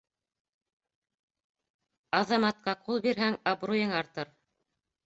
Аҙаматҡа ҡул бирһәң, абруйың артыр.